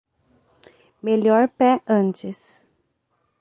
Melhor pé antes